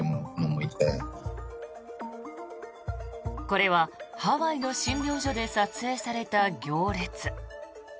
これはハワイの診療所で撮影された行列。